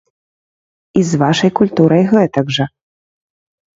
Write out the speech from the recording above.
І з вашай культурай гэтак жа.